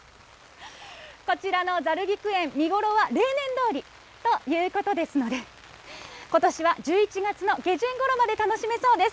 こちらのざる菊園、見頃は例年どおりということですので、ことしは１１月の下旬ごろまで楽しめそうです。